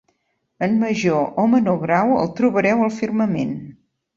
En major o menor grau, el trobareu al firmament.